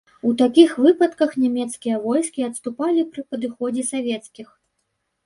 У такіх выпадках нямецкія войскі адступалі пры падыходзе савецкіх.